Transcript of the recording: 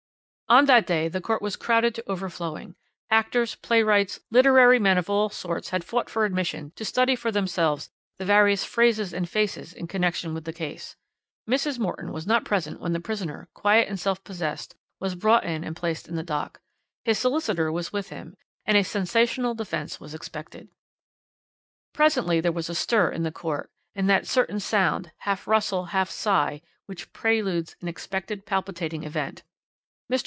"On that day the court was crowded to overflowing; actors, playwrights, literary men of all sorts had fought for admission to study for themselves the various phases and faces in connection with the case. Mrs. Morton was not present when the prisoner, quiet and self possessed, was brought in and placed in the dock. His solicitor was with him, and a sensational defence was expected. "Presently there was a stir in the court, and that certain sound, half rustle, half sigh, which preludes an expected palpitating event. Mr.